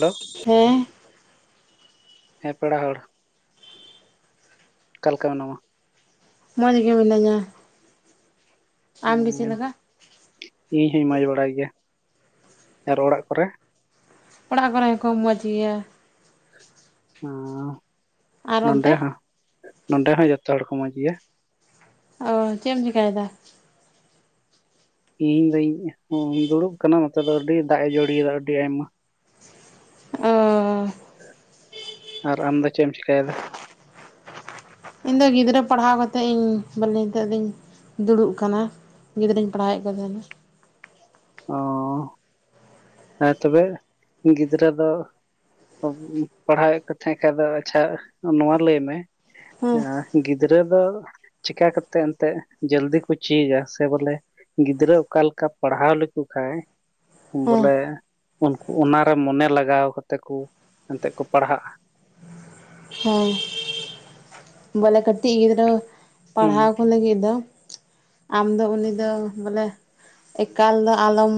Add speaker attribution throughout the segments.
Speaker 1: Hello
Speaker 2: ᱦᱟᱸᱻᱟ, ᱾
Speaker 1: ᱦᱮᱸ, ᱯᱮᱲᱟ ᱦᱚᱲ, ᱚᱠᱟ ᱞᱮᱠᱟ ᱢᱮᱱᱟᱢᱟ?
Speaker 2: ᱢᱚᱡᱽ ᱜᱮ, ᱢᱤᱱᱟ. ᱧᱟ। ᱟᱢ ᱜᱮ, ᱪᱮᱫ
Speaker 1: ᱩᱸ,
Speaker 2: ᱞᱮᱠᱟ?
Speaker 1: ᱤᱧ ᱦᱚᱧ, ᱢᱚᱸᱡᱽ ᱵᱟᱲᱟ ᱜᱮᱭᱟ ᱾ ᱟᱨ ᱚᱲᱟᱜ ᱠᱚᱨᱮ?
Speaker 2: ᱚᱲᱟᱜ ᱠᱚᱨᱮ ᱦᱚᱸᱠᱚ, ᱢᱚᱡᱽ ᱜᱮᱭᱟ।
Speaker 1: ᱚᱸᱻ,
Speaker 2: ᱟᱨ ᱚᱱᱛᱮ
Speaker 1: ᱱᱚᱰᱮ ᱦᱚᱸ, ᱱᱚᱰᱮ ᱦᱚᱸ ᱡᱷᱚᱛᱚ ᱦᱚᱲ ᱠᱚ, ᱢᱚᱡᱽ ᱜᱮᱭᱟ।
Speaker 2: ᱚᱻ, ᱪᱮᱫ ᱮᱢ ᱪᱮᱠᱟᱭᱮᱫᱟ?
Speaker 1: ᱤᱧ ᱫᱩᱧ ᱫᱩᱲᱩᱵ ᱟᱠᱟᱱᱟ ᱱᱚᱛᱮ ᱫᱚ ᱟᱹᱰᱤ ᱫᱟᱜ ᱮ ᱡᱟᱹᱲᱤᱭᱮᱫᱟ ᱟᱹᱰᱤ ᱟᱭᱢᱟ᱾
Speaker 2: ᱚᱻ
Speaker 1: ᱟᱨ ᱟᱢ ᱫᱚ ᱪᱮᱫ ᱮᱢ ᱪᱮᱠᱟᱭᱮᱫᱟ?
Speaker 2: ᱤᱧ ᱫᱚ ᱜᱤᱫᱽᱨᱟᱹ ᱯᱟᱲᱦᱟᱣ ᱠᱟᱛᱮᱫ ᱤᱧ ᱵᱟᱹᱞᱮ ᱱᱤᱛᱚᱜ ᱫᱚᱧ [inaudible] ᱫᱩᱲᱩᱵ ᱟᱠᱟᱱᱟ। ᱜᱤᱫᱽᱨᱟᱹᱧ ᱯᱟᱲᱦᱟᱣᱮᱫ ᱠᱚ ᱛᱟᱦᱮᱱᱟ।
Speaker 1: ᱚ
Speaker 2: [inaudible]
Speaker 1: ᱦᱮᱸ ᱛᱚᱵᱮ ᱜᱤᱫᱽᱨᱟᱹ ᱫᱚ ᱯᱟᱲᱦᱟᱣᱮᱫ ᱠᱚ ᱛᱟᱦᱮᱸᱫ ᱠᱷᱟᱡ ᱫᱚ ᱟᱪᱪᱷᱟ, ᱱᱚᱣᱟ ᱞᱟᱹᱭ ᱢᱮ
Speaker 2: ᱦᱮᱸ
Speaker 1: ᱮᱸ ᱜᱤᱫ ᱽᱨᱟᱹ ᱫᱚ ᱪᱮᱠᱟ ᱠᱟᱛᱮ ᱮᱱᱛᱮᱜ ᱡᱚᱞᱫᱤ ᱠᱚ ᱪᱮᱫᱟ ᱥᱮ ᱵᱚᱞᱮ ᱜᱤᱫᱽᱨᱟᱹ ᱚᱠᱟ ᱞᱮᱠᱟ ᱯᱟᱲᱦᱟᱣ ᱞᱮᱠᱚ ᱠᱷᱟᱡ
Speaker 2: ᱦᱮᱸ
Speaker 1: ᱵᱚᱞᱮ ᱩᱱᱠᱩ ᱚᱱᱟ ᱨᱮ ᱢᱚᱱᱮ ᱞᱟᱜᱟᱣ ᱠᱟᱛᱮ ᱠᱚ ᱮᱱᱛᱮᱫ ᱠᱚ ᱯᱟᱲᱦᱟᱜᱼᱟ ᱾
Speaker 2: ᱦᱮᱸ ᱾ ᱵᱚᱞᱮ ᱠᱟᱹᱴᱤᱡ ᱜᱤᱫᱽᱨᱟᱹ
Speaker 1: ᱦᱩᱸ
Speaker 2: ᱯᱟᱲᱦᱟᱣ ᱠᱚ ᱞᱟᱹᱜᱤᱫ ᱫᱚ ᱟᱢ ᱫᱚ ᱩᱱᱤ ᱫᱚ ᱵᱚᱞᱮ ᱮᱠᱟᱞ ᱫᱚ ᱟᱞᱚᱢ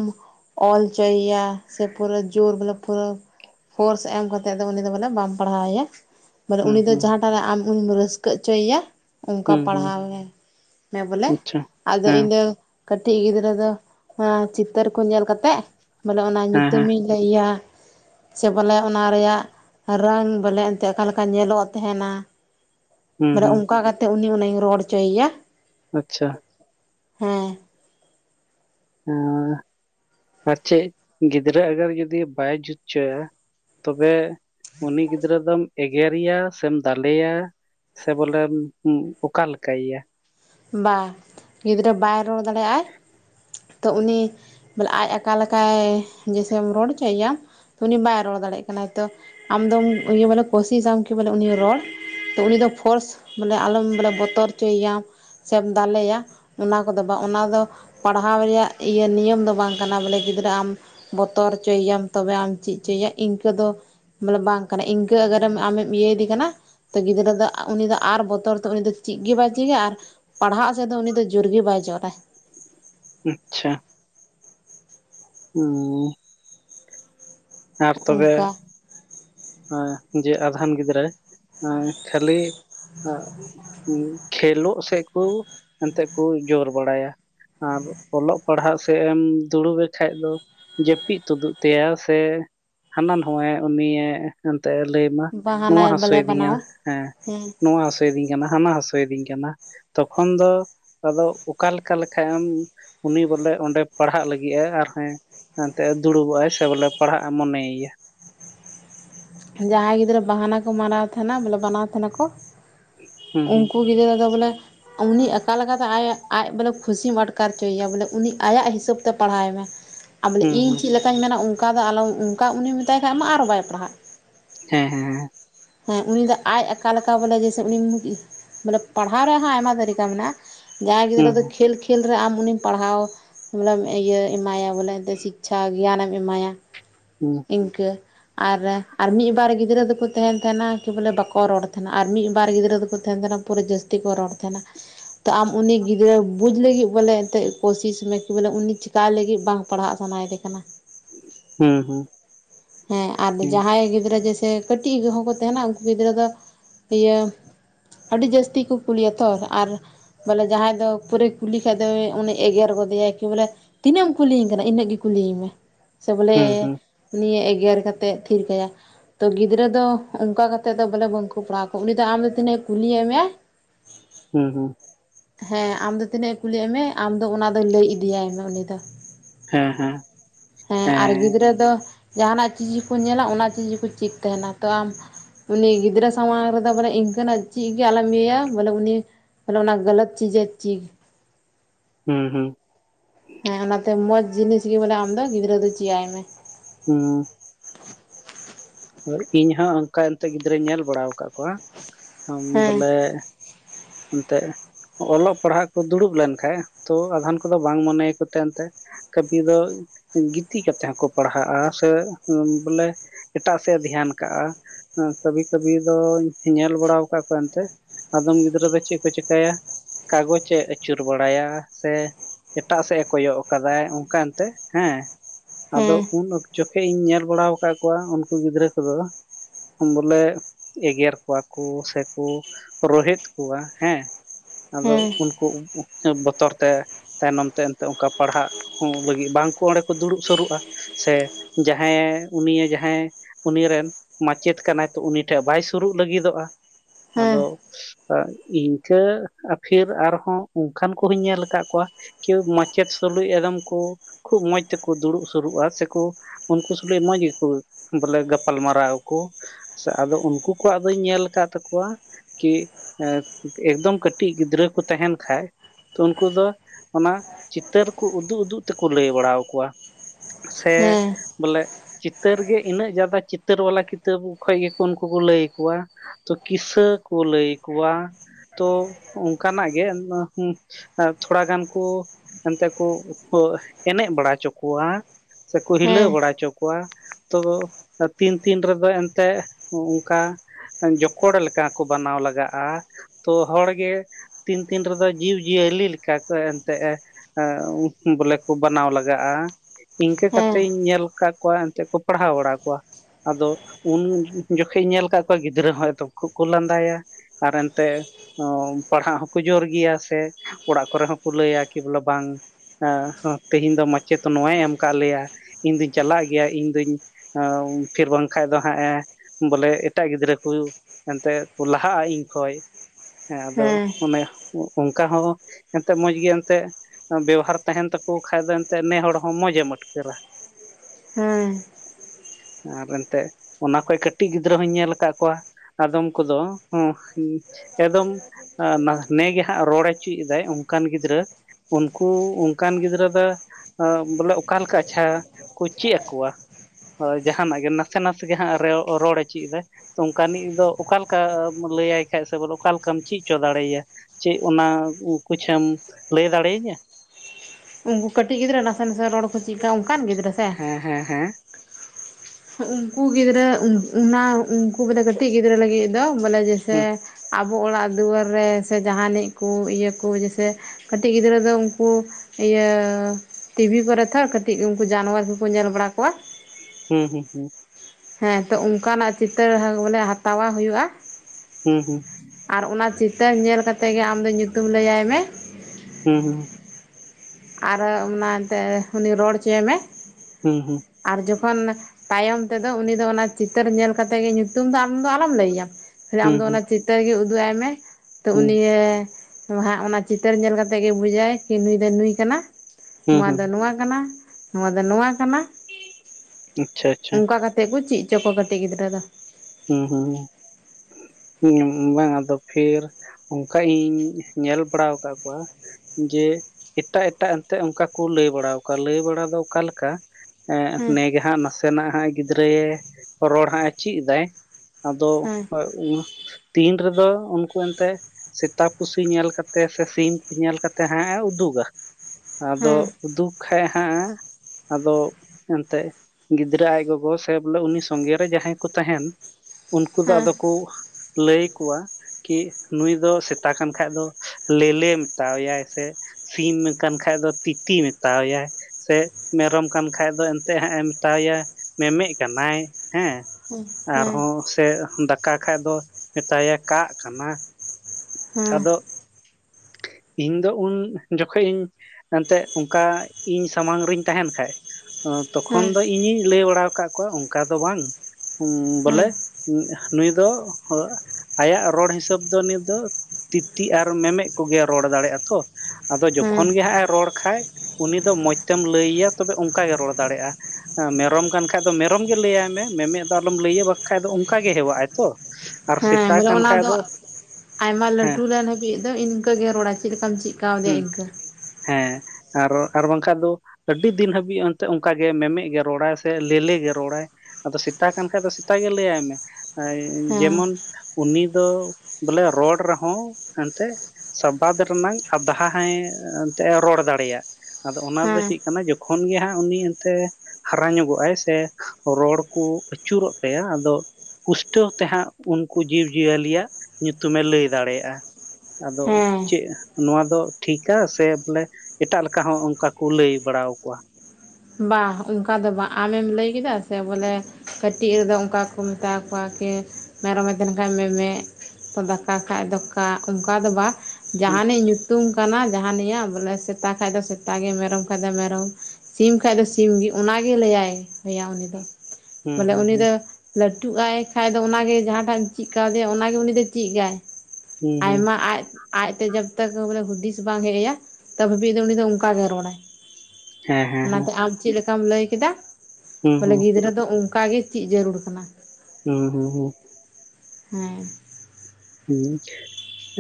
Speaker 2: ᱚᱞ ᱦᱚᱪᱚᱭᱮᱭᱟ ᱥᱮ ᱯᱩᱨᱟᱹ ᱡᱳᱨ ᱵᱚᱞᱮ ᱯᱩᱨᱟᱹ ᱯᱷᱳᱨᱥ ᱮᱢ ᱠᱟᱛᱮᱫ ᱫᱚ ᱩᱱᱤ ᱫᱚ ᱵᱚᱞᱮ ᱵᱟᱢ ᱯᱟᱲᱦᱟᱣᱮᱭᱟ᱾ ᱢᱟᱱᱮ
Speaker 1: ᱦᱩᱸ
Speaker 2: ᱩᱱᱤ ᱫᱚ
Speaker 1: ᱦᱩᱸ
Speaker 2: ᱡᱟᱦᱟᱸᱴᱟᱜ ᱟᱢ ᱩᱱᱤᱢ ᱨᱟᱹᱥᱠᱟᱹᱜ ᱦᱚᱪᱚᱭᱮᱭᱟ ᱚᱱᱠᱟ
Speaker 1: ᱦᱩᱸ ᱦᱩᱸ
Speaker 2: ᱯᱟᱲᱦᱟᱣ ᱮᱢᱮ [inaudible] ᱵᱚᱞᱮ
Speaker 1: ᱟᱪᱪᱷᱟ
Speaker 2: ᱟᱫᱚ
Speaker 1: ᱦᱮᱸ
Speaker 2: ᱤᱧ ᱫᱚ ᱠᱟᱹᱴᱤᱡ ᱜᱤᱫᱽᱨᱟᱹ ᱫᱚ ᱚᱱᱟ ᱪᱤᱛᱟᱹᱨ ᱠᱚ ᱧᱮᱞ ᱠᱟᱛᱮᱫ ᱵᱚᱞᱮ ᱚᱱᱟ
Speaker 1: ᱦᱮᱸ
Speaker 2: ᱧᱩᱛᱩᱢ
Speaker 1: ᱦᱮᱸ
Speaker 2: ᱤᱧ ᱞᱟᱹᱭᱟᱭᱟ ᱾ ᱥᱮ ᱵᱚᱞᱮ ᱚᱱᱟ ᱨᱮᱭᱟᱜ ᱨᱚᱝ ᱵᱚᱞᱮ ᱮᱱᱛᱮᱫ ᱚᱠᱟ ᱞᱮᱠᱟ ᱧᱮᱞᱚᱜ ᱛᱟᱦᱮᱱᱟ ᱾
Speaker 1: ᱦᱩᱸ
Speaker 2: ᱢᱟᱱᱮ
Speaker 1: ᱦᱩᱸ
Speaker 2: ᱚᱱᱠᱟ ᱠᱟᱛᱮᱜ ᱩᱱᱤ ᱚᱱᱟᱧ ᱨᱚᱲ ᱦᱚᱪᱚᱭᱮᱭᱟ ᱾
Speaker 1: ᱟᱪᱪᱷᱟ ᱾
Speaker 2: ᱦᱮᱸ ᱾
Speaker 1: ᱦᱮᱸᱻ ᱟᱨ ᱪᱮᱫ ᱜᱤᱫᱽᱨᱟᱹ ᱮᱜᱮᱨ ᱡᱩᱫᱤ ᱵᱟᱭ ᱡᱩᱛ ᱦᱚᱪᱚᱭᱟ ᱛᱚᱵᱮ ᱩᱱᱤ ᱜᱤᱫᱽᱨᱟᱹ ᱫᱚᱢ ᱮᱜᱮᱨᱮᱭᱟ ᱥᱮᱢ ᱫᱟᱞᱮᱭᱟ ᱥᱮ ᱵᱚᱞᱮᱢ ᱚᱠᱟ ᱞᱮᱠᱟᱭ ᱮᱭᱟ?
Speaker 2: ᱵᱟ, ᱜᱤᱫᱽᱨᱟᱹ ᱵᱟᱭ ᱨᱚᱲ ᱫᱟᱲᱮᱭᱟᱜᱼ ᱟᱭ᱾ ᱛᱚ ᱩᱱᱤ ᱵᱚᱞᱮ ᱟᱡ ᱚᱠᱟ ᱞᱮᱠᱟᱭ ᱡᱮᱭᱥᱮᱢ ᱨᱚᱲ ᱦᱚᱪᱚᱭᱮᱭᱟ ᱛᱚ ᱩᱱᱤ ᱵᱟᱭ ᱨᱚᱲ ᱫᱟᱲᱮᱭᱟᱜ ᱠᱟᱱᱟᱭ, ᱛᱚ ᱟᱢᱫᱚᱢ ᱤᱭᱟᱹ ᱵᱚᱞᱮ ᱠᱳᱥᱤᱥᱟᱢ ᱠᱤ ᱵᱚᱞᱮ ᱩᱱᱤ ᱨᱚᱲ, ᱛᱚ ᱩᱱᱤ ᱫᱚ ᱯᱷᱳᱨᱥ ᱵᱚᱞᱮ ᱟᱞᱚᱢ ᱵᱚᱞᱮ ᱵᱚᱛᱚᱨ ᱦᱚᱪᱚᱭᱮᱭᱟᱢ ᱥᱮᱢ ᱫᱟᱞᱮᱭᱟ ᱚᱱᱟ ᱠᱚᱫᱚ ᱵᱟᱝ᱾ ᱚᱱᱟ ᱫᱚ ᱯᱟᱲᱦᱟᱣ ᱨᱮᱭᱟᱜ ᱤᱭᱟᱹ ᱱᱤᱭᱚᱢ ᱫᱚ ᱵᱟᱝ ᱠᱟᱱᱟ᱾ ᱵᱚᱞᱮ ᱜᱤᱫᱽᱨᱟᱹ ᱟᱢ ᱵᱚᱛᱚᱨ ᱦᱚᱪᱚᱭᱮᱭᱟᱢ ᱛᱚᱵᱮ ᱟᱢ ᱪᱮᱫ ᱦᱚᱪᱚᱭᱮᱭᱟ ᱤᱱᱠᱟᱹ ᱫᱚ ᱵᱚᱞᱮ ᱵᱟᱝ ᱠᱟᱱᱟ ᱾ ᱤᱱᱠᱟᱹ ᱟᱜᱟᱨᱮᱢ ᱟᱢᱮᱢ ᱤᱭᱟᱹᱭᱮᱫᱮ ᱠᱟᱱᱟ ᱛᱚ ᱜᱤᱫᱽᱨᱟᱹ ᱫᱚ ᱩᱱᱤ ᱫᱚ ᱟᱨ ᱵᱚᱛᱚᱨ ᱛᱮ ᱩᱱᱤ ᱫᱚ ᱪᱮᱫ ᱜᱮ ᱵᱟᱭ ᱪᱮᱫᱟ ᱟᱨ ᱯᱟᱲᱦᱟᱜ ᱥᱮᱫ ᱫᱚ ᱩᱱᱤ ᱫᱚ ᱡᱳᱨ ᱜᱮ ᱵᱟᱭ ᱡᱚᱨᱟᱭ ᱾
Speaker 1: ᱟᱪᱪᱷᱟ ᱾ ᱦᱩᱸᱻ ᱟᱨ ᱛᱚᱵᱮ
Speaker 2: ᱚᱱᱠᱟ
Speaker 1: ᱮᱸ, ᱡᱮ ᱟᱫᱷᱟᱱ ᱜᱤᱫᱽᱨᱟᱹ ᱮᱸ ᱠᱷᱟᱹᱞᱤ, [unintelligible] ᱠᱷᱮᱞᱳᱚᱜ ᱥᱮᱫ ᱠᱚ ᱮᱱᱛᱮ ᱠᱚ ᱡᱳᱨ ᱵᱟᱲᱟᱭᱟ ᱾ ᱟᱨ ᱚᱞᱚᱜ ᱯᱟᱲᱦᱟᱜ ᱥᱮᱫ ᱮᱢ ᱫᱩᱲᱩᱵᱮ ᱠᱷᱟᱡ ᱫᱚ ᱡᱟᱹᱯᱤᱫ ᱛᱩᱫᱩᱜ ᱛᱟᱭᱟ ᱥᱮ ᱦᱟᱱᱟ ᱱᱟᱣᱟᱭᱟ ᱩᱱᱤᱭᱮ ᱦᱟᱱᱛᱮ ᱞᱟᱹᱭ ᱟᱢᱟ ᱱᱚᱣᱟ
Speaker 2: ᱵᱟᱦᱟᱱᱟ ᱵᱟᱞᱮ
Speaker 1: ᱦᱟᱥᱩᱭᱤᱫᱤᱧᱟ
Speaker 2: ᱵᱮᱱᱟᱣᱟ
Speaker 1: ᱦᱮᱸ, ᱱᱚᱣᱟ ᱦᱟᱥᱩᱭᱤᱫᱤᱧ ᱠᱟᱱᱟ ᱦᱟᱱᱟ ᱦᱟᱥᱩᱭᱤᱫᱤᱧ ᱠᱟᱱᱟ ᱾ ᱛᱚᱠᱷᱚᱱ ᱫᱚᱼᱼ ᱟᱫᱚ ᱚᱠᱟᱞᱮᱠᱟ ᱞᱮᱠᱷᱟᱡ ᱮᱢ, ᱩᱱᱤ ᱵᱚᱞᱮ ᱚᱸᱰᱮ ᱯᱟᱲᱦᱟᱜ ᱞᱟᱹᱜᱤᱫᱼᱮ ᱟᱨ ᱦᱮᱸᱼᱼ ᱮᱱᱛᱮᱜ ᱫᱩᱲᱩᱵᱚᱜᱼ ᱟᱭ ᱥᱮ ᱵᱚᱞᱮ ᱯᱟᱲᱦᱟᱜᱼᱟ ᱮ ᱢᱚᱱᱮᱭᱮᱭᱟ ᱾
Speaker 2: ᱡᱟᱦᱟᱸᱭ ᱜᱤᱫᱽᱨᱟᱹ ᱵᱟᱦᱟᱱᱟ ᱠᱚ ᱢᱟᱨᱟᱣ ᱛᱟᱸᱦᱮᱱᱟ, ᱵᱚᱞᱮ ᱵᱟᱱᱟᱣ ᱛᱟᱸᱦᱮᱱᱟ ᱠᱚᱼᱼ
Speaker 1: ᱦᱩᱸ ᱦᱩᱸ
Speaker 2: ᱩᱱᱠᱩ ᱜᱤᱫᱽᱨᱟᱹ ᱫᱚ ᱵᱚᱞᱮᱼᱼ ᱩᱱᱤ ᱟᱠᱟ ᱞᱮᱠᱟᱛᱮ ᱟᱭᱮ, ᱟᱡ ᱵᱚᱞᱮ ᱠᱷᱩᱥᱤᱢ ᱟᱴᱠᱟᱨ ᱦᱚᱪᱚᱭᱮᱭᱟ ᱵᱚᱞᱮ ᱩᱱᱤ ᱟᱭᱟᱜ ᱦᱤᱥᱟᱹᱵᱽ ᱛᱮ ᱯᱟᱲᱦᱟᱣᱮ ᱢᱮ ᱾ ᱟᱫᱚ ᱵᱚᱞᱮ
Speaker 1: ᱦᱩᱸ
Speaker 2: ᱤᱧ
Speaker 1: ᱦᱩᱸ
Speaker 2: ᱪᱮᱫ ᱞᱮᱠᱟᱧ ᱢᱮᱱᱟ ᱚᱱᱠᱟ ᱫᱚ ᱟᱞᱚ, ᱚᱱᱠᱟ ᱩᱱᱤᱢ ᱢᱮᱛᱟᱭ ᱠᱷᱟᱡ ᱢᱟ ᱟᱨᱦᱚᱸ ᱵᱟᱭ ᱯᱟᱲᱦᱟᱜ ᱾
Speaker 1: ᱦᱮᱸ ᱦᱮᱸ ᱦᱮᱸ ᱾
Speaker 2: ᱦᱮᱸ ᱩᱱᱤ ᱫᱚ ᱟᱡ ᱚᱠᱟ ᱞᱮᱠᱟ ᱵᱚᱞᱮ ᱡᱮᱭᱥᱮ ᱩᱱᱤ ᱵᱚᱞᱮ ᱯᱟᱲᱦᱟᱣ ᱨᱮᱦᱚᱸ ᱟᱭᱢᱟ ᱛᱚᱨᱤᱠᱟ ᱢᱮᱱᱟᱜᱼᱟ ᱾ ᱡᱟᱦᱟᱸᱭ
Speaker 1: ᱦᱮᱸ
Speaker 2: ᱜᱤᱫᱽᱨᱟᱹ ᱫᱚ
Speaker 1: ᱦᱩᱸ
Speaker 2: ᱠᱷᱮᱞ ᱠᱷᱮᱞ ᱨᱮ ᱟᱢ ᱩᱱᱤᱢ ᱯᱟᱲᱦᱟᱣᱼᱼ ᱵᱚᱞᱮ ᱤᱭᱟᱹ ᱮᱢᱟᱭᱟ ᱵᱚᱞᱮ ᱮᱱᱛᱮ ᱥᱤᱪᱪᱷᱟ ᱜᱮᱭᱟᱱᱮᱢ ᱮᱢᱟᱭᱟ ᱾
Speaker 1: ᱦᱩᱸ ᱾
Speaker 2: ᱤᱸᱠᱟᱹ, ᱟᱨ ᱟᱨ ᱢᱤᱫ ᱵᱟᱨ ᱜᱤᱫᱽᱨᱟᱹ ᱫᱚᱠᱚᱼᱼ ᱛᱟᱸᱦᱮᱱ ᱛᱟᱸᱦᱮᱱᱟ ᱠᱤ ᱵᱚᱞᱮ ᱵᱟᱠᱚ ᱨᱚᱲ ᱛᱟᱸᱦᱮᱱᱟ ᱟᱨ ᱢᱤᱫ ᱵᱟᱨ ᱜᱤᱫᱽᱨᱟᱹ ᱫᱚᱠᱚ ᱛᱟᱸᱦᱮᱱ ᱛᱟᱸᱦᱮᱱᱟ ᱯᱩᱨᱟᱹ ᱡᱟᱹᱥᱛᱤ ᱠᱚ ᱨᱚᱲ ᱛᱟᱸᱦᱮᱱᱟ ᱾ ᱛᱚ ᱟᱢ ᱩᱱᱤ ᱜᱤᱫᱽᱨᱟᱹ ᱵᱩᱡᱽ ᱞᱟᱹᱜᱤᱫ ᱵᱚᱞᱮ ᱮᱱᱛᱮᱜ ᱠᱳᱥᱤᱥ ᱢᱮ ᱠᱤ ᱵᱚᱞᱮ ᱩᱱᱤᱼᱼ ᱚᱠᱟ ᱞᱟᱹᱜᱤᱫ ᱵᱟᱝ ᱯᱟᱲᱦᱟᱜ ᱥᱟᱱᱟᱭᱫᱮ ᱠᱟᱱᱟ ᱾
Speaker 1: ᱦᱩᱸ ᱦᱩᱸ ᱾
Speaker 2: ᱦᱮᱸ ᱟᱨ ᱡᱟᱦᱟᱸᱭ ᱜᱤᱫᱽᱨᱟᱹ ᱡᱮᱭᱥᱮ ᱠᱟᱹᱴᱤᱡ ᱦᱚᱸᱠᱚ ᱛᱟᱸᱦᱮᱱᱟ ᱩᱱᱠᱩ ᱜᱤᱫᱽᱨᱟᱹ ᱫᱚ ᱤᱭᱟᱹᱼᱼ ᱟᱹᱰᱤ ᱡᱟᱹᱥᱛᱤ ᱠᱚ ᱠᱩᱞᱤᱭᱟ ᱛᱚ ᱟᱨᱼᱼ ᱵᱚᱞᱮ ᱡᱟᱦᱟᱸᱭ ᱫᱚ ᱯᱩᱨᱟᱹᱭ ᱠᱩᱞᱤ ᱠᱷᱟᱡ ᱫᱚᱭ ᱩᱱᱤ ᱮᱜᱮᱨ ᱜᱚᱫᱮᱭᱟᱭ ᱠᱤ ᱵᱚᱞᱮᱼᱼ ᱛᱤᱱᱟᱹᱜ ᱮᱢ ᱠᱩᱞᱤᱧ ᱠᱟᱱᱟ ᱤᱱᱟᱹᱜ ᱜᱤ ᱠᱩᱞᱤᱧ ᱢᱮ, ᱥᱮ ᱵᱚᱞᱮ
Speaker 1: ᱦᱩᱸ ᱦᱩᱸ ᱦᱩᱸ
Speaker 2: ᱱᱤᱭᱟᱹᱼᱼ ᱜᱮᱨ ᱠᱟᱛᱮᱫ ᱛᱷᱤᱨ ᱠᱟᱭᱟ ᱾ ᱛᱚ ᱜᱤᱫᱽᱨᱟᱹ ᱫᱚ ᱚᱱᱠᱟ ᱠᱟᱛᱮᱜ ᱫᱚ ᱵᱚᱞᱮ ᱵᱟᱝᱠᱩ ᱯᱟᱲᱦᱟᱣ ᱠᱚᱣᱟ, ᱩᱱᱤ ᱫᱚ ᱟᱢ ᱫᱚ ᱛᱤᱱᱟᱹᱜ ᱮ ᱠᱩᱞᱤᱭᱮᱜ ᱢᱮᱭᱟᱭ ᱾ [inaudible]
Speaker 1: ᱦᱩᱸ ᱦᱩᱸ ᱾
Speaker 2: ᱦᱮᱸ, ᱟᱢᱫᱚ ᱛᱤᱱᱟᱹᱜ ᱮ ᱠᱩᱞᱤᱭᱮᱫ ᱢᱮᱭᱟᱭ ᱟᱢ ᱫᱚ ᱚᱱᱟ ᱫᱚ ᱞᱟᱹᱭ ᱤᱫᱤᱭᱟᱭ ᱢᱮ ᱩᱱᱤ ᱫᱚ ᱾
Speaker 1: ᱦᱮᱸ ᱦᱮᱸ
Speaker 2: ᱦᱮᱸ ᱟᱨ ᱜᱤᱫᱽᱨᱟᱹ ᱫᱚᱼᱼ ᱡᱟᱸᱦᱟᱱᱟᱜ ᱪᱤᱡᱽ ᱜᱮᱠᱚ ᱧᱮᱞᱟ ᱚᱱᱟ ᱪᱤᱡᱽ ᱜᱮᱠᱚ ᱪᱮᱫᱽ ᱛᱟᱸᱦᱮᱱᱟ, ᱛᱚ ᱟᱢᱼᱼ ᱩᱱᱤ ᱜᱤᱫᱽᱨᱟᱹ ᱥᱟᱢᱟᱝ ᱨᱮᱫᱚ ᱵᱚᱞᱮ ᱤᱱᱠᱟᱹᱱᱟᱜ ᱪᱮᱫᱽ ᱜᱮ ᱟᱞᱚᱢ ᱤᱭᱟᱹᱭᱟ, ᱵᱚᱞᱮ ᱩᱱᱤᱼᱼ ᱟᱫᱚ ᱚᱱᱟ ᱜᱚᱞᱚᱛ ᱪᱤᱡᱮ ᱪᱤᱫᱽ ᱾
Speaker 1: ᱦᱩᱸ ᱦᱩᱸ
Speaker 2: ᱦᱮᱸ ᱚᱱᱟᱛᱮ ᱢᱚᱸᱡᱽ ᱡᱤᱱᱤᱥ ᱜᱮ ᱵᱚᱞᱮ ᱟᱢ ᱫᱚ ᱜᱤᱫᱽᱨᱟᱹ ᱫᱚ ᱪᱮᱫᱽ ᱟᱭ ᱢᱮ ᱾
Speaker 1: ᱦᱩᱸ [unintelligible] ᱤᱧ ᱦᱚᱸ ᱚᱱᱠᱟ ᱛᱮ ᱜᱤᱫᱽᱨᱟᱹᱧ ᱧᱮᱞ ᱵᱟᱲᱟᱳ ᱠᱟᱜ ᱠᱚᱣᱟ
Speaker 2: ᱦᱮᱸ
Speaker 1: ᱵᱚᱞᱮ ᱮᱱᱛᱮᱜᱼᱼ ᱚᱞᱚᱜ ᱯᱟᱲᱦᱟᱜ ᱠᱚ ᱫᱩᱲᱩᱵ ᱞᱮᱱᱠᱷᱟᱡ, ᱛᱚ ᱟᱫᱷᱟᱱ ᱠᱚᱫᱚ ᱵᱟᱝ ᱢᱚᱱᱮᱭᱟᱠᱚ ᱛᱟᱦᱮ ᱮᱱᱛᱮᱼᱼ ᱠᱟᱹᱵᱷᱤ ᱫᱚ ᱜᱤᱛᱤᱡ ᱠᱟᱛᱮ ᱦᱚᱸᱠᱚ ᱯᱟᱲᱦᱟᱜᱼᱟ ᱥᱮ ᱵᱚᱞᱮᱼᱼ ᱮᱴᱟᱜ ᱥᱮᱫ ᱮ ᱫᱷᱮᱭᱟᱱ ᱠᱟᱜᱼᱟ, ᱠᱟᱹᱵᱷᱤ ᱠᱟᱹᱵᱷᱤ ᱫᱚᱧ ᱧᱮᱞ ᱵᱟᱲᱟ ᱟᱠᱟᱫ ᱠᱚᱣᱟ ᱮᱱᱛᱮᱼᱼ ᱟᱫᱚᱢ ᱜᱤᱫᱽᱨᱟᱹ ᱫᱚ ᱪᱮᱫ ᱠᱚ ᱪᱮᱠᱟᱭᱟ, ᱠᱟᱜᱚᱡᱮ ᱟᱹᱪᱩᱨ ᱵᱟᱲᱟᱭᱟ ᱥᱮᱼᱼ ᱮᱴᱟᱜ ᱥᱮᱫ ᱮ ᱠᱚᱭᱚᱜ ᱟᱠᱟᱫᱟᱭ ᱚᱱᱠᱟ ᱮᱱᱛᱮ ᱦᱮᱸ ᱾ ᱟᱫᱚ
Speaker 2: ᱦᱮᱸ
Speaker 1: ᱩᱱ ᱡᱚᱠᱷᱮᱡ ᱤᱧ ᱧᱮᱞ ᱵᱟᱲᱟᱳ ᱟᱠᱟᱫ ᱠᱚᱣᱟ ᱩᱱᱠᱩ ᱜᱤᱫᱽᱨᱟᱹ ᱠᱚᱫᱚᱼᱼ ᱵᱚᱞᱮ, ᱮᱜᱮᱨ ᱠᱚᱣᱟ ᱠᱚ ᱥᱮᱠᱚ ᱨᱳᱦᱮᱫ ᱠᱚᱣᱟ, ᱦᱮᱸᱼᱼ ᱟᱫᱚ
Speaker 2: ᱦᱮᱸ
Speaker 1: ᱩᱱᱠᱩ ᱵᱚᱛᱚᱨ ᱛᱮᱼᱼ ᱛᱟᱭᱱᱚᱢ ᱛᱮ ᱮᱱᱛᱮ ᱚᱱᱠᱟ ᱯᱟᱲᱦᱟᱜ ᱦᱚᱸ ᱞᱟᱹᱜᱤᱫ ᱵᱟᱝ ᱠᱚ ᱚᱸᱰᱮ ᱠᱚ ᱫᱩᱲᱩᱵ ᱥᱩᱨᱩᱜᱼᱟ ᱾ ᱥᱮ ᱡᱟᱸᱦᱟᱭᱮ ᱩᱱᱤᱭᱮ ᱡᱟᱸᱦᱟᱭᱼᱼ ᱩᱱᱤ ᱨᱮᱱ ᱢᱟᱪᱮᱫ ᱠᱟᱱᱟᱭ ᱛᱚ ᱩᱱᱤ ᱴᱷᱮᱡ ᱵᱟᱭ ᱥᱩᱨᱩᱜ ᱞᱟᱹᱜᱤᱫᱚᱜ-ᱟ᱾
Speaker 2: ᱦᱮᱸ
Speaker 1: ᱟᱫᱚᱼᱼ ᱤᱱᱠᱟᱹ ᱟᱯᱷᱤᱨ ᱟᱨᱦᱚᱸ ᱚᱱᱠᱟᱱ ᱠᱚᱫᱚᱧ ᱧᱮᱞ ᱟᱠᱟᱫ ᱠᱚᱣᱟ, ᱠᱮᱣ ᱢᱟᱪᱮᱫ ᱥᱩᱞᱩᱡ ᱟᱫᱚᱢ ᱠᱚᱼᱼ ᱠᱷᱩᱵ ᱢᱚᱡᱽ ᱛᱮᱠᱚ ᱫᱩᱲᱩᱵ ᱥᱩᱨᱩᱜ-ᱟ ᱥᱮᱠᱚ ᱩᱱᱠᱩ ᱥᱚᱞᱮ ᱢᱚᱸᱡᱽ ᱜᱮᱠᱚᱼᱼ ᱵᱚᱞᱮ ᱜᱟᱯᱟᱞ ᱢᱟᱨᱟᱣ ᱟᱠᱚ ᱥᱮ ᱟᱫᱚ ᱩᱱᱠᱩ ᱠᱚᱣᱟᱜ ᱫᱚᱧ ᱧᱮᱞ ᱟᱠᱟᱫ ᱛᱟᱠᱚᱣᱟᱼᱼ ᱠᱤ ᱮᱸ ᱮᱠᱫᱚᱢ ᱠᱟᱹᱴᱤᱡ ᱜᱤᱫᱽᱨᱟᱹ ᱠᱚ ᱛᱟᱦᱮᱱ ᱠᱷᱟᱡᱼᱼ ᱛᱚ ᱩᱱᱠᱩ ᱫᱚ ᱚᱱᱟ ᱪᱤᱛᱟᱹᱨ ᱠᱚ ᱩᱫᱩᱜ ᱩᱫᱩᱜ ᱛᱮᱠᱚ ᱞᱟᱹᱭ ᱵᱟᱲᱟ ᱟᱠᱚᱣᱟ᱾ ᱥᱮ
Speaker 2: ᱦᱮᱸ
Speaker 1: ᱵᱚᱞᱮ ᱪᱤᱛᱟᱹᱨ ᱜᱮᱼᱼ ᱤᱱᱟᱹᱜ ᱡᱟᱫᱟ ᱪᱤᱛᱟᱹᱨ ᱵᱟᱞᱟ ᱠᱤᱛᱟᱹᱵ ᱠᱷᱚᱡ ᱜᱮᱠᱚ ᱩᱱᱠᱩ ᱠᱚ ᱞᱟᱹᱭ ᱟᱠᱚᱣᱟ᱾ ᱛᱚ ᱠᱤᱥᱟᱹ ᱠᱚ ᱞᱟᱹᱭ ᱟᱠᱩᱣᱟ ᱛᱚ ᱚᱱᱠᱟᱱᱟᱜ ᱜᱮᱼᱼ ᱟᱸ ᱛᱷᱚᱲᱟ ᱜᱟᱱ ᱠᱚ ᱮᱱᱛᱮ ᱠᱚ ᱮᱱᱮᱡ ᱵᱟᱲᱟ ᱚᱪᱚ ᱠᱚᱣᱟ᱾ ᱥᱮᱠᱚ ᱦᱤᱞᱟᱹᱣ ᱵᱟᱲᱟ ᱚᱪᱚ ᱠᱚᱣᱟ᱾ ᱫᱚ ᱛᱤᱱ ᱛᱤᱱ ᱨᱮᱫᱚ ᱮᱱᱛᱮ ᱚᱱᱠᱟᱼᱼ ᱡᱚᱠᱚᱲ ᱞᱮᱠᱟ ᱠᱚ ᱵᱟᱱᱟᱣ ᱞᱟᱜᱟᱜ-ᱟ ᱛᱚ ᱦᱚᱲᱜᱮᱼᱼ ᱛᱤᱱ ᱛᱤᱱ ᱨᱮᱫᱚ ᱡᱤᱵᱽ ᱡᱤᱭᱟᱹᱞᱤ ᱞᱮᱠᱟ ᱠᱚ ᱮᱱᱛᱮᱜ ᱮᱼᱼ ᱟᱸ ᱵᱚᱞᱮ ᱠᱚ ᱵᱟᱱᱟᱣ ᱞᱟᱜᱟᱜ-ᱟ ᱤᱱᱠᱟᱹ
Speaker 2: ᱦᱮᱸ ᱦᱮᱸ
Speaker 1: ᱠᱟᱛᱮᱜ ᱤᱧ ᱧᱮᱞ ᱠᱟᱫ ᱠᱚᱣᱟ ᱮᱱᱛᱮᱜᱼᱼ ᱠᱚ ᱯᱟᱲᱦᱟᱣ ᱵᱟᱲᱟ ᱠᱚᱣᱟ᱾ ᱟᱫᱚ ᱩᱱ ᱡᱚᱠᱷᱮᱡ ᱤᱧ ᱧᱮᱞ ᱟᱠᱟᱫ ᱠᱚᱣᱟ ᱜᱤᱫᱽᱨᱟᱹ ᱦᱚᱸ ᱮᱛᱚᱢ ᱠᱷᱩᱵ ᱠᱚ ᱞᱟᱸᱫᱟᱭᱟ᱾ ᱟᱨ ᱮᱱᱛᱮ ᱚᱸ ᱯᱟᱲᱦᱟᱜ ᱦᱚᱸᱠᱚ ᱡᱳᱨ ᱜᱮᱭᱟ ᱥᱮᱼᱼ ᱚᱲᱟᱜ ᱠᱚᱨᱮ ᱦᱚᱸᱠᱚ ᱞᱟᱹᱭᱟ ᱠᱤ ᱵᱚᱞᱮ ᱵᱟᱝ, ᱛᱮᱦᱮᱸᱧ ᱫᱚ ᱢᱟᱪᱮᱫ ᱱᱚᱜᱼᱚᱭ ᱮᱢ ᱠᱟᱫ ᱞᱮᱭᱟ ᱤᱧᱫᱩᱧ ᱪᱟᱞᱟᱜ ᱜᱮᱭᱟ, ᱤᱧᱼᱼ ᱫᱚᱧ ᱚᱸᱻ ᱯᱷᱤᱨ ᱵᱟᱝ ᱠᱷᱟᱡ ᱫᱚᱦᱟᱸᱜ ᱮᱸᱼᱼ ᱵᱚᱞᱮ ᱮᱴᱟᱜ ᱜᱤᱫᱽᱨᱟᱹ ᱠᱩ ᱮᱱᱛᱮᱫ ᱠᱚ ᱞᱟᱦᱟᱜ-ᱟ ᱤᱧ ᱠᱷᱚᱡᱼᱼ ᱦᱮᱸ ᱟᱫᱚ ᱚᱱᱮ ᱚᱱᱠᱟ ᱦᱚᱸ ᱮᱱᱛᱮᱜ ᱢᱚᱡᱽ ᱜᱮ ᱮᱱᱛᱮ, ᱵᱮᱣᱦᱟᱨ ᱛᱟᱦᱮᱸᱱ ᱛᱟᱠᱚ ᱠᱷᱟᱡ ᱫᱚ ᱮᱱᱛᱮᱜ ᱱᱮ ᱦᱚᱲ ᱦᱚᱸ ᱢᱚᱡᱮᱢ ᱟᱴᱠᱟᱹᱨᱟ᱾
Speaker 2: ᱦᱮᱸ
Speaker 1: ᱟᱨ ᱮᱱᱛᱮᱜ ᱚᱱᱟ ᱠᱷᱚᱡ ᱠᱟᱹᱴᱤᱡ ᱜᱤᱫᱽᱨᱟᱹ ᱦᱚᱧ ᱧᱮᱞ ᱟᱠᱟᱫ ᱠᱚᱣᱟ᱾ ᱟᱫᱚᱢ ᱠᱚᱫᱚ ᱦᱩᱸ ᱦᱩᱸ ᱮᱫᱚᱢ᱾ [inaudible] ᱱᱮ ᱜᱮ ᱦᱟᱸᱜ ᱨᱚᱲ ᱚᱪᱚ ᱪᱮᱫ ᱫᱟᱭ ᱚᱱᱠᱟᱱ ᱜᱤᱫᱽᱨᱟᱹᱼᱼ ᱩᱱᱠᱩ ᱚᱱᱠᱟᱱ ᱜᱤᱫᱽᱨᱟᱹ ᱫᱚ ᱵᱚᱞᱮ ᱚᱠᱟ ᱞᱮᱠᱟ ᱪᱷᱟ ᱠᱩ ᱪᱮᱫ ᱟᱠᱚᱣᱟ? ᱡᱟᱦᱟᱱᱟᱜ ᱜᱮ ᱱᱟᱥᱮ ᱱᱟᱥᱮ ᱜᱮ ᱦᱟᱸᱜ ᱨᱚ ᱨᱚᱲᱮ ᱪᱮᱫ ᱮᱫᱟ, ᱚᱱᱠᱟᱱᱤᱡ ᱫᱚ ᱚᱠᱟ ᱞᱮᱠᱟᱢ ᱞᱟᱹᱭᱟᱭ ᱠᱷᱟᱡ ᱥᱮ ᱵᱚᱞᱮ ᱚᱠᱟ ᱞᱮᱠᱟᱢ ᱪᱤᱫ ᱚᱪᱚ ᱫᱟᱲᱮᱭᱟᱭᱟ? ᱪᱮᱫ ᱚᱱᱟ ᱠᱩᱪᱷᱮᱢ ᱞᱟᱹᱭ ᱫᱟᱲᱮᱭᱟᱹᱧᱟ?
Speaker 2: ᱩᱱᱠᱩ ᱠᱟᱹᱴᱤᱡ ᱜᱤᱫᱽᱨᱟᱹ ᱱᱟᱥᱮ ᱱᱟᱥᱮ ᱨᱚᱲ ᱠᱚ ᱪᱤᱫ ᱠᱟᱜ ᱚᱱᱠᱟᱱ ᱜᱤᱫᱽᱨᱟᱹ ᱥᱮᱼᱼ
Speaker 1: ᱮᱸ ᱦᱮᱸ ᱦᱮᱸᱼᱼ
Speaker 2: ᱩᱱᱠᱩ ᱜᱤᱫᱽᱨᱟᱹ ᱚᱱᱟ ᱩᱱᱠᱩ ᱵᱚᱞᱮ ᱠᱟᱹᱴᱤᱡ ᱜᱤᱫᱽᱨᱟᱹ ᱞᱟᱹᱜᱤᱫ ᱫᱚ ᱵᱚᱞᱮ ᱡᱮᱥᱮᱼᱼ
Speaker 1: ᱦᱩᱸ
Speaker 2: ᱟᱵᱚ ᱚᱲᱟᱜ ᱫᱩᱣᱟᱹᱨ ᱨᱮ ᱥᱮ ᱡᱟᱦᱟᱱᱤᱡ ᱠᱚ ᱤᱭᱟᱹ ᱠᱚ ᱡᱮᱥᱮᱼᱼ ᱠᱟᱹᱴᱤᱡ ᱜᱤᱫᱽᱨᱟᱹ ᱫᱚ ᱩᱱᱠᱩ ᱤᱭᱟᱹᱼᱼ ᱴᱤᱵᱷᱤ ᱠᱚᱨᱮ ᱛᱷᱚ ᱠᱟᱹᱴᱤᱡ ᱩᱱᱠᱩ ᱡᱟᱱᱣᱟᱨ ᱠᱚᱠᱚ ᱧᱮᱞ ᱵᱟᱲᱟ ᱠᱚᱣᱟ᱾
Speaker 1: ᱦᱩᱸ ᱦᱩᱸ ᱦᱩᱸ
Speaker 2: ᱦᱮᱸ ᱛᱚ ᱚᱱᱠᱟᱱᱟᱜ ᱪᱤᱛᱟᱹᱨ ᱵᱚᱞᱮ ᱦᱟᱛᱟᱣᱟ ᱦᱩᱭᱩᱜ-ᱟ᱾
Speaker 1: ᱦᱩᱸ ᱦᱩᱸ
Speaker 2: ᱟᱨ ᱚᱱᱟ ᱪᱤᱛᱟᱹᱨ ᱧᱮᱞ ᱠᱟᱛᱮᱫ ᱜᱮ ᱟᱢᱫᱚ ᱧᱩᱛᱩᱢ ᱞᱟᱹᱭᱟᱭ ᱢᱮ᱾
Speaker 1: ᱦᱩᱸ ᱦᱩᱸ
Speaker 2: ᱟᱨ ᱚᱱᱟ ᱛᱮ ᱩᱱᱤ ᱨᱚᱲ ᱚᱪᱚᱭᱮᱢᱮ᱾
Speaker 1: ᱦᱩᱸ ᱦᱩᱸ
Speaker 2: ᱟᱨ ᱡᱚᱠᱷᱚᱱ ᱛᱟᱭᱚᱢ ᱛᱮᱫᱚ ᱩᱱᱤ ᱫᱚ ᱚᱱᱟ ᱪᱤᱛᱟᱹᱨ ᱧᱮᱞ ᱠᱟᱛᱮ ᱜᱮ ᱧᱩᱛᱩᱢ ᱫᱚ ᱟᱢ ᱫᱚ ᱟᱞᱚᱢ ᱞᱟᱹᱭᱮᱭᱟ᱾ ᱠᱷᱟᱞᱤ
Speaker 1: ᱦᱩᱸ
Speaker 2: ᱟᱢᱫᱚ
Speaker 1: ᱦᱩᱸ
Speaker 2: ᱚᱱᱟ
Speaker 1: ᱦᱩᱸ
Speaker 2: ᱪᱤᱛᱟᱹᱨ ᱜᱮ ᱩᱫᱩᱜ ᱟᱭ ᱢᱮ ᱛᱚ
Speaker 1: ᱦᱩᱸ
Speaker 2: ᱩᱱᱤ ᱭᱮ ᱦᱟᱸᱜ ᱚᱱᱟ ᱪᱤᱛᱟᱹᱨ ᱧᱮᱞ ᱠᱟᱛᱮ ᱜᱮ ᱵᱩᱡᱟᱭ ᱱᱩᱭ ᱫᱚ ᱱᱩᱭ ᱠᱟᱱᱟ,
Speaker 1: ᱦᱩᱸ
Speaker 2: ᱱᱚᱣᱟ
Speaker 1: ᱦᱩᱸ
Speaker 2: ᱫᱚ ᱱᱚᱣᱟ ᱠᱟᱱᱟ᱾ ᱱᱚᱣᱟ ᱫᱚ ᱱᱚᱣᱟ ᱠᱟᱱᱟ᱾
Speaker 1: ᱟᱪᱪᱷᱟ ᱟᱪᱪᱷᱟ
Speaker 2: ᱚᱝᱠᱟ ᱠᱟᱛᱮᱜ ᱠᱚ ᱪᱮᱫ ᱦᱚᱪᱚ ᱠᱟᱹᱴᱤᱡ ᱜᱤᱫᱽᱨᱟᱹ ᱫᱚ
Speaker 1: ᱦᱩᱸ ᱦᱩᱸ ᱵᱟᱝ ᱟᱫᱚ ᱯᱷᱤᱨ ᱚᱝᱠᱟ ᱤᱧ ᱧᱮᱞ ᱵᱟᱲᱟ ᱠᱟᱜ ᱠᱚᱣᱟ ᱡᱮ ᱮᱴᱟᱜᱼᱮᱴᱟᱜ ᱮᱱᱛᱮᱜ ᱚᱝᱠᱟ ᱠᱩ ᱞᱟᱹᱭ ᱵᱟᱲᱟᱣ ᱠᱚᱣᱟ ᱞᱟᱹᱭ ᱵᱟᱲᱟ ᱫᱚ ᱚᱠᱟ ᱞᱮᱠᱟ ᱟᱸᱜ
Speaker 2: ᱦᱮᱸ
Speaker 1: ᱱᱮᱜᱮ ᱦᱟᱸᱜ ᱱᱟᱥᱮᱱᱟᱜ ᱦᱟᱸᱜ ᱜᱤᱫᱽᱨᱟᱹᱭ ᱨᱚᱲ ᱦᱟᱸᱜ ᱪᱮᱜ ᱫᱟᱭ ᱟᱫᱚ
Speaker 2: ᱦᱮᱸ
Speaker 1: ᱦᱚᱭ ᱩᱱ ᱛᱤᱱ ᱨᱮᱫᱚ ᱩᱱᱠᱩ ᱮᱱᱛᱮᱫ ᱥᱮᱛᱟ, ᱯᱩᱥᱤ ᱧᱮᱞ ᱠᱟᱛᱮ ᱥᱮ ᱥᱤᱢ ᱧᱮᱞ ᱠᱟᱛᱮᱜ ᱦᱟᱸᱜ ᱮ ᱩᱫᱩᱜᱟ ᱟᱫᱚ
Speaker 2: ᱦᱮᱸ
Speaker 1: ᱩᱫᱩᱜ ᱠᱷᱟᱡ ᱦᱟᱸᱜ ᱟᱫᱚ ᱚᱱᱛᱮᱜ ᱜᱤᱫᱽᱨᱟᱹ ᱟᱡ ᱜᱚᱜᱚ ᱥᱮ ᱵᱚᱞᱮ ᱩᱱᱤ ᱥᱚᱸᱜᱮ ᱨᱮ ᱡᱟᱦᱟᱸᱭ ᱠᱚ ᱛᱟᱦᱮᱱ ᱩᱱᱠᱩ ᱫᱚ
Speaker 2: ᱦᱮᱸ
Speaker 1: ᱟᱫᱚ ᱠᱩ ᱞᱟᱹᱭ ᱟᱠᱚᱣᱟ ᱠᱤ ᱱᱩᱭ ᱫᱚ ᱥᱮᱛᱟ ᱠᱟᱱ ᱠᱷᱟᱡ ᱫᱚ ᱞᱮᱞᱮ ᱢᱮᱛᱟᱣᱟᱭᱟᱭ ᱥᱮ ᱥᱤᱢ ᱠᱟᱱ ᱠᱷᱟᱡ ᱫᱚ ᱛᱤᱛᱤ ᱢᱮᱛᱟᱣᱟᱭᱟᱭ ᱥᱮ ᱢᱮᱨᱚᱢ ᱠᱟᱱ ᱠᱷᱟᱡ ᱫᱚ ᱮᱱᱛᱮᱫ ᱦᱮᱸᱜ ᱮ ᱢᱮᱛᱟᱣ ᱟᱭᱟ ᱢᱮ-ᱢᱮᱜ ᱠᱟᱱᱟᱭ ᱦᱮᱸ
Speaker 2: ᱦᱮᱸ ᱦᱮᱸ
Speaker 1: ᱟᱨᱦᱚᱸ ᱥᱮ ᱫᱟᱠᱟ ᱠᱷᱟᱡ ᱫᱚ ᱢᱮᱛᱟᱣ ᱟᱭᱟ ᱠᱟᱜ ᱠᱟᱱᱟ
Speaker 2: ᱦᱩᱸ
Speaker 1: ᱟᱫᱚ ᱤᱧ ᱫᱚ ᱩᱱ ᱡᱚᱠᱷᱚᱡ ᱤᱧ ᱮᱱᱛᱮᱜ ᱚᱝᱠᱟ ᱤᱧ ᱥᱟᱢᱟᱝ ᱨᱤᱧ ᱛᱟᱦᱮᱱ ᱠᱷᱟᱡ
Speaker 2: ᱦᱮᱸ
Speaker 1: ᱛᱚᱠᱷᱚᱱ ᱫᱚ ᱤᱧᱤᱧ ᱞᱟᱹᱭ ᱵᱟᱲᱟᱣ ᱠᱟᱜ ᱠᱚᱣᱟ ᱚᱝᱠᱟ ᱫᱚ ᱵᱟᱝ ᱵᱚᱞᱮ
Speaker 2: ᱦᱮᱸ
Speaker 1: ᱱᱩᱭ ᱫᱚ ᱟᱭᱟᱜ ᱨᱚᱲ ᱦᱤᱥᱟᱹᱵ ᱫᱚ ᱱᱤᱛ ᱫᱚ ᱛᱤᱛᱤ ᱟᱨ ᱢᱮᱢᱮᱜ ᱠᱩᱜᱮ ᱨᱚᱲ ᱫᱟᱲᱮᱭᱟᱜᱼᱟ ᱛᱚ ᱟᱫᱚ
Speaker 2: ᱦᱮᱸ
Speaker 1: ᱡᱚᱠᱷᱚᱱ ᱜᱮ ᱦᱟᱸᱜ ᱮ ᱨᱚᱲ ᱠᱷᱟᱡ ᱩᱱᱤ ᱫᱚ ᱢᱚᱡᱽ ᱛᱮᱢ ᱞᱟᱹᱭᱮᱭᱟ ᱛᱚᱵᱮ ᱚᱝᱠᱟᱜᱮ ᱨᱚᱲ ᱫᱟᱲᱮᱜᱼᱟ ᱢᱮᱨᱚᱢ ᱠᱟᱱ ᱠᱷᱟᱡ ᱫᱚ ᱢᱮᱨᱚᱢ ᱜᱮ ᱞᱟᱹᱭᱟᱭ ᱢᱮ ᱢᱮᱢᱮᱜ ᱫᱚ ᱟᱞᱚᱢ ᱞᱟᱹᱭᱭᱟ ᱵᱟᱝᱠᱷᱟᱡ ᱫᱚ ᱚᱝᱠᱟ ᱜᱮ ᱦᱮᱣᱟᱜᱼ ᱟᱭ ᱛᱚ ᱟᱨ
Speaker 2: ᱦᱮᱸ
Speaker 1: ᱥᱮᱛᱟ
Speaker 2: ᱵᱚᱞᱮ
Speaker 1: ᱠᱟᱱ
Speaker 2: ᱚᱱᱟ
Speaker 1: ᱠᱷᱟᱡ
Speaker 2: ᱫᱚ ᱟᱭᱢᱟ
Speaker 1: ᱦᱮᱸ
Speaker 2: ᱞᱟᱹᱴᱩ ᱞᱮᱱ ᱦᱟᱹᱵᱤᱡ ᱫᱚ ᱤᱱᱠᱟᱹᱜ ᱜᱮ ᱨᱚᱲᱟᱭ ᱪᱤᱜ ᱞᱮᱠᱟᱢ ᱪᱮᱫ ᱠᱟᱣᱫᱮᱭᱟ
Speaker 1: ᱦᱩᱸ
Speaker 2: ᱤᱱᱠᱟᱹ
Speaker 1: ᱦᱮᱸ ᱟᱨ ᱟᱨ ᱵᱟᱝᱠᱷᱟᱡ ᱫᱚ ᱟᱹᱰᱤ ᱫᱤᱱ ᱦᱟᱹᱵᱤᱡ ᱮᱱᱛᱮ ᱚᱝᱠᱟᱜᱮ ᱢᱮᱢᱮᱜ ᱜᱮ ᱨᱚᱲᱟᱭ ᱥᱮ ᱞᱮᱞᱮ ᱜᱮ ᱨᱚᱲ ᱟᱭ ᱟᱫᱚ ᱥᱮᱛᱟ ᱠᱟᱱ ᱠᱷᱟᱡ ᱫᱚ ᱥᱮᱛᱟ ᱜᱮ ᱞᱟᱹᱭᱟᱭ ᱢᱮ
Speaker 2: ᱦᱮᱸ
Speaker 1: ᱡᱮᱢᱚᱱ ᱩᱱᱤ ᱫᱚ ᱵᱚᱞᱮ ᱨᱚᱲ ᱨᱮᱦᱚᱸ ᱮᱱᱛᱮ ᱥᱟᱵᱟᱫ ᱨᱮᱱᱟᱝ ᱟᱫᱷᱟ ᱦᱚᱸ ᱭ ᱮᱱᱛᱜ ᱮ ᱨᱚᱲ ᱫᱟᱲᱮᱭᱟᱜ ᱟᱫᱚ ᱚᱱᱟᱫᱚ
Speaker 2: ᱦᱮᱸ
Speaker 1: ᱪᱮᱜ ᱠᱟᱱᱟ ᱡᱚᱠᱷᱚᱱ ᱜᱮ ᱦᱟᱸᱜ ᱩᱱᱤ ᱮᱱᱛᱮ ᱦᱟᱨᱟ ᱧᱚᱜᱚᱜ-ᱟᱭ ᱥᱮ ᱨᱚᱲ ᱠᱚ ᱟᱹᱪᱩᱨᱚᱜ ᱛᱟᱭᱟ ᱟᱫᱚ ᱯᱩᱥᱴᱟᱹᱣ ᱛᱮ ᱦᱟᱸᱜ ᱩᱱᱠᱩ ᱡᱤᱵᱽ-ᱡᱤᱭᱟᱹᱞᱤ ᱭᱟᱜ ᱧᱩᱛᱩᱢᱮ ᱞᱟᱹᱭ ᱫᱟᱲᱮᱭᱟᱜᱼᱟ ᱟᱫᱚ
Speaker 2: ᱦᱮᱸ
Speaker 1: ᱪᱮᱜ ᱱᱚᱣᱟ ᱫᱚ ᱴᱷᱤᱠ-ᱟ ᱥᱮ ᱵᱚᱞᱮ ᱮᱴᱟᱜ ᱞᱮᱠᱟ ᱦᱚᱸ ᱚᱝᱠᱟ ᱠᱩ ᱞᱟᱹᱭ ᱵᱟᱲᱟᱣ ᱠᱚᱣᱟ
Speaker 2: ᱵᱟ ᱚᱝᱠᱟ ᱫᱚ ᱵᱟᱝ, ᱟᱢ ᱮᱢ ᱞᱟᱹᱭᱠᱮᱫᱟ ᱥᱮ ᱵᱚᱞᱮ ᱠᱟᱹᱴᱤᱡ ᱨᱮᱫᱚ ᱚᱠᱟ ᱠᱩ ᱢᱮᱛᱟᱣ ᱠᱚᱣᱟ ᱠᱤ ᱢᱮᱨᱚᱢᱮ ᱛᱟᱦᱮᱱ ᱠᱷᱟᱡ ᱢᱮ-ᱢᱮᱜ ᱫᱟᱠᱟ ᱠᱷᱟᱡ ᱫᱚ ᱠᱟᱜ ᱚᱝᱠᱟ ᱫᱚ ᱵᱟᱝ
Speaker 1: ᱦᱩᱸ
Speaker 2: ᱡᱟᱦᱟᱱᱤᱡ ᱧᱩᱛᱩᱢ ᱠᱟᱱᱟ ᱡᱟᱦᱟᱱᱤᱡ-ᱟᱜ ᱵᱚᱞᱮ ᱥᱮᱛᱟ ᱠᱷᱟᱡ ᱫᱚ ᱥᱮᱛᱟ ᱜᱮ ᱢᱮᱨᱚᱢ ᱠᱷᱟᱡ ᱫᱚ ᱢᱮᱨᱚᱢ ᱥᱤᱢ ᱠᱷᱟᱡ ᱫᱚ ᱥᱤᱢ ᱜᱤ ᱚᱱᱟᱜᱮ ᱞᱟᱹᱭᱟᱭᱟ ᱩᱱᱤ ᱫᱚ
Speaker 1: ᱦᱩᱸ
Speaker 2: ᱵᱚᱞᱮ
Speaker 1: ᱦᱩᱸ
Speaker 2: ᱩᱱᱤ
Speaker 1: ᱦᱩᱸ
Speaker 2: ᱫᱚ ᱞᱟᱹᱴᱩᱜ ᱟᱭ ᱠᱷᱟᱡ ᱫᱚ ᱚᱱᱟᱜᱮ ᱡᱟᱦᱟᱸᱴᱟᱜ ᱮᱢ ᱪᱮᱫ ᱠᱟᱣᱫᱮᱭᱟ ᱚᱱᱟᱜᱮ ᱩᱱᱤ ᱫᱚ ᱪᱮᱜ ᱜᱟᱭ
Speaker 1: ᱦᱩᱸ ᱦᱩᱸ
Speaker 2: ᱟᱭᱢᱟ ᱟᱡ ᱟᱡᱛᱮ ᱡᱚᱵ ᱛᱚᱠ ᱵᱚᱞᱮ ᱦᱩᱫᱤᱥ ᱵᱟᱝ ᱦᱮᱡ ᱟᱭᱟ, ᱛᱟ ᱦᱟᱹᱵᱤᱡ ᱫᱚ ᱩᱱᱤ ᱫᱚ ᱚᱱᱠᱟᱜᱮᱭ ᱾
Speaker 1: ᱦᱮᱸ ᱦᱮᱸ
Speaker 2: ᱚᱱᱟ
Speaker 1: ᱦᱮᱸ
Speaker 2: ᱛᱮ ᱟᱢ ᱪᱮᱫ ᱞᱮᱠᱟᱢ ᱞᱟᱹᱭ ᱠᱮᱫᱟ
Speaker 1: ᱦᱩᱸ
Speaker 2: ᱵᱚᱞᱮ
Speaker 1: ᱦᱩᱸ
Speaker 2: ᱜᱤᱫᱽᱨᱟᱹ ᱫᱚ ᱚᱱᱠᱟ ᱜᱮ ᱪᱮᱫ ᱡᱟᱹᱨᱩᱲ ᱠᱟᱱᱟ᱾
Speaker 1: ᱦᱩᱸ ᱦᱩᱸ ᱦᱩᱸ
Speaker 2: ᱦᱮᱸ
Speaker 1: ᱦᱮᱸ,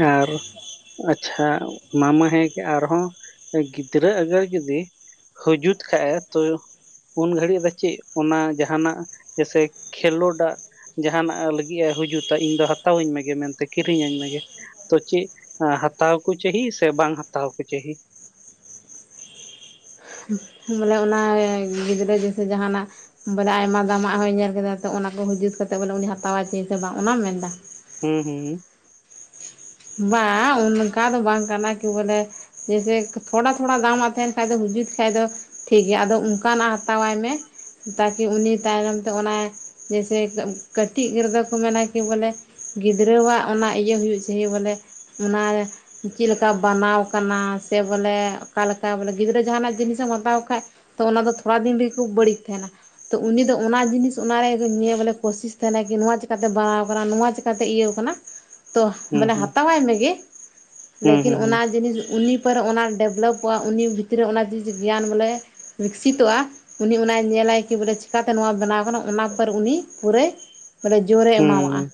Speaker 1: ᱟᱨ ᱟᱪᱪᱷᱟ ᱢᱟ ᱢᱟ ᱦᱮᱸ ᱜᱮ ᱟᱨᱦᱚᱸ ᱜᱤᱫᱽᱨᱟᱹ ᱟᱜᱟᱨ ᱡᱩᱫᱤ ᱦᱩᱡᱩᱛ ᱠᱷᱟᱭᱮ ᱛᱚᱭᱳ ᱩᱱ ᱜᱷᱟᱹᱲᱤᱡ ᱫᱚ ᱪᱮᱫ ᱚᱱᱟ ᱡᱟᱦᱟᱱᱟᱜ ᱡᱮᱥᱮ ᱠᱷᱮᱞᱳᱰᱟᱜ ᱡᱟᱦᱟᱱᱟᱜ ᱞᱟᱹᱜᱤᱫ ᱮ ᱦᱤᱡᱩᱛᱟ ᱤᱧ ᱫᱚ ᱦᱟᱛᱟᱣᱟᱹᱧ ᱢᱮᱜᱮ ᱢᱮᱱᱛᱮ ᱠᱤᱨᱤᱧᱟᱹᱧ ᱢᱮᱜᱮ ᱛᱚ ᱪᱮᱫ ᱦᱟᱛᱟᱣ ᱠᱚ ᱪᱟᱹᱦᱤ ᱥᱮ ᱵᱟᱝ ᱦᱟᱛᱟᱣ ᱠᱚ ᱪᱟᱹᱦᱤ
Speaker 2: ᱵᱚᱞᱮ ᱚᱱᱟ ᱜᱤᱫᱽᱨᱟᱹ ᱡᱮᱭᱥᱮ ᱡᱟᱦᱟᱱᱟᱜ ᱵᱚᱞᱮ ᱟᱭᱢᱟ ᱫᱟᱢᱟᱜ ᱦᱚᱸᱭ ᱧᱮᱞ ᱠᱮᱫᱟ ᱛᱚ ᱚᱱᱟ ᱠᱚ ᱦᱤᱡᱩᱛ ᱠᱟᱛᱮᱫ ᱵᱚᱞᱮ ᱩᱱᱤ ᱦᱟᱛᱟᱣᱟᱭ ᱪᱮ ᱥᱮ ᱵᱟᱝ ᱚᱱᱟᱢ ᱢᱮᱱ ᱮᱫᱟ?
Speaker 1: ᱦᱩᱸ ᱦᱩᱸᱦᱩᱸ᱾
Speaker 2: ᱵᱟᱝ, ᱚᱱᱠᱟ ᱫᱚ ᱵᱟᱝ ᱠᱟᱱᱟ ᱠᱤ ᱵᱚᱞᱮ ᱡᱮᱭᱥᱮ ᱛᱷᱚᱲᱟ ᱛᱷᱚᱲᱟ ᱫᱟᱢᱟᱜ ᱛᱟᱦᱮᱱ ᱠᱷᱟᱡ ᱫᱚ ᱦᱩᱡᱩᱛ ᱠᱷᱟᱡ ᱫᱚ ᱴᱷᱤᱠ ᱜᱮᱭᱟ᱾ ᱟᱫᱚ ᱚᱱᱠᱟᱱᱟᱜ ᱦᱟᱛᱟᱣᱟᱭ ᱢᱮ ᱛᱟᱠᱤ ᱩᱱᱤ ᱛᱟᱭᱱᱚᱢ ᱛᱮ ᱚᱱᱟᱭ ᱡᱮᱭᱥᱮ ᱠᱟᱹᱴᱤᱜ ᱨᱮᱫᱚ ᱠᱚ ᱢᱮᱱᱟ ᱠᱤ ᱵᱚᱞᱮ ᱜᱤᱫᱽᱨᱟᱹᱣᱟᱜ ᱚᱱᱟ ᱤᱭᱟᱹ ᱦᱩᱭᱩᱜ ᱪᱟᱹᱦᱤ ᱵᱚᱞᱮ ᱚᱱᱟ ᱪᱤᱫ ᱞᱮᱠᱟ ᱵᱟᱱᱟᱣ ᱠᱟᱱᱟ ᱥᱮ ᱵᱚᱞᱮ ᱚᱠᱟᱞᱮᱠᱟ ᱵᱚᱞᱮ ᱜᱤᱫᱽᱨᱟᱹ ᱡᱟᱦᱱᱟᱜ ᱡᱤᱱᱤᱥ ᱮᱢ ᱦᱟᱛᱟᱣ ᱠᱷᱟᱡ ᱛᱚ ᱚᱱᱟ ᱫᱚ ᱛᱷᱚᱲᱟ ᱫᱤᱱ ᱨᱮᱜᱮ ᱠᱚ ᱵᱟᱹᱲᱤᱡ ᱛᱟᱦᱮᱱᱟ᱾ ᱛᱚ ᱩᱱᱤ ᱫᱚ ᱚᱱᱟ ᱡᱤᱱᱤᱥ ᱚᱱᱟ ᱨᱮ ᱱᱤᱭᱟᱹ ᱵᱚᱞᱮ ᱠᱳᱥᱤᱥ ᱛᱟᱦᱮᱱᱟᱭ ᱠᱤ ᱱᱚᱣᱟ ᱪᱮᱠᱟᱛᱮ ᱵᱟᱱᱟᱣ ᱟᱠᱟᱱᱟ ᱱᱚᱣᱟ ᱪᱮᱠᱟᱛᱮ ᱤᱭᱟᱹᱣ ᱟᱠᱟᱱᱟ᱾ ᱛᱚᱦ,
Speaker 1: ᱦᱩᱸ
Speaker 2: ᱢᱟᱱᱮ
Speaker 1: ᱦᱩᱸ
Speaker 2: ᱦᱟᱛᱟᱣᱟᱭ ᱢᱮᱜᱮ,
Speaker 1: ᱦᱩᱸ,
Speaker 2: ᱞᱮᱠᱤᱱ
Speaker 1: ᱦᱩᱸ, ᱦᱩᱸ,
Speaker 2: ᱚᱱᱟ ᱡᱤᱱᱤᱥ ᱩᱱᱤ ᱯᱚᱨ ᱚᱱᱟ ᱰᱮᱵᱽᱞᱚᱯᱚᱜᱼᱟ ᱩᱱᱤ ᱵᱷᱤᱛᱨᱤ ᱨᱮ ᱚᱱᱟ ᱪᱤᱡᱽ ᱜᱮᱭᱟᱱ ᱵᱚᱞᱮ ᱣᱤᱠᱥᱤᱛᱚᱜᱼᱟ᱾ ᱩᱱᱤ ᱚᱱᱟᱭ ᱧᱮᱞᱟᱭ ᱠᱤ ᱵᱚᱞᱮ ᱪᱤᱠᱟᱛᱮ ᱱᱚᱣᱟ ᱵᱮᱱᱟᱣ ᱠᱟᱱᱟ ᱚᱱᱟ ᱯᱚᱨ ᱩᱱᱤ ᱯᱩᱨᱟᱹᱭ ᱵᱚᱞᱮ ᱡᱳᱨᱮ ᱮᱢᱟᱣᱟᱜᱼᱟ᱾
Speaker 1: ᱦᱩᱸ,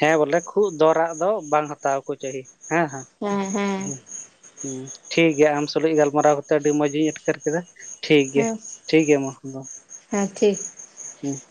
Speaker 1: ᱦᱮᱸ ᱵᱚᱞᱮ ᱠᱷᱩᱜ ᱫᱚᱨᱟᱜ ᱫᱚ ᱵᱟᱝ ᱦᱟᱛᱟᱣ ᱟᱠᱚ ᱪᱟᱹᱦᱤ, ᱦᱮᱸ ᱦᱮᱸ᱾
Speaker 2: ᱦᱮᱸ ᱦᱮᱸ᱾
Speaker 1: ᱦᱩᱸ, ᱴᱷᱤᱠ ᱜᱮᱭᱟ ᱟᱢ ᱥᱩᱞᱩᱡ ᱜᱟᱞᱢᱟᱨᱟᱣ ᱠᱟᱛᱮᱜ ᱟᱹᱰᱤ ᱢᱚᱸᱡᱽ ᱤᱧ ᱟᱴᱠᱟᱨ ᱠᱮᱫᱟ᱾ ᱴᱷᱤᱠ ᱜᱮᱭᱟ,
Speaker 2: ᱦᱮᱸ
Speaker 1: ᱴᱷᱤᱠ ᱜᱮᱭᱟ ᱢᱟ ᱫᱚ᱾
Speaker 2: ᱦᱮᱸ ᱴᱷᱤᱠ᱾
Speaker 1: ᱦᱩᱸ᱾